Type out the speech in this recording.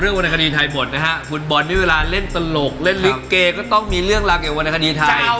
ออกใครดีจะเอาน้องเชอร์วี่